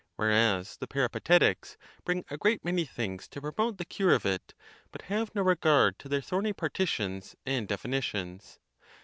Whereas the Peripatetics bring a great many things to promote the cure of it, but have no regard to their thorny partitions and definitions.